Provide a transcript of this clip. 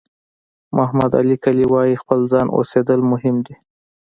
محمد علي کلي وایي خپل ځان اوسېدل مهم دي.